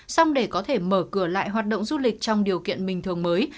xong để có thể mở cửa lại hoạt động du lịch trong điều kiện bình thường mới